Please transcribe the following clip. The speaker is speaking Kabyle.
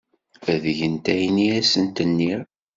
Ad gent ayen i asent-nniɣ.